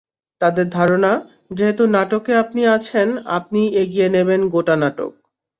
তাঁদের ধারণা, যেহেতু নাটকে আপনি আছেন, আপনিই এগিয়ে নেবেন গোটা নাটক।